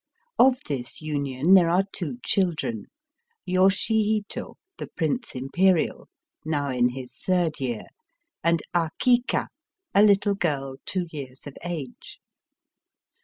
Of this union there are two children — ^Yoshi Hito, the Prince Imperial, now in his third year, and Akika, a Httle girl two years of age.